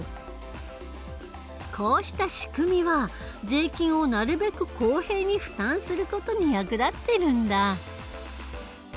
こうした仕組みは税金をなるべく公平に負担する事に役立ってるんだ。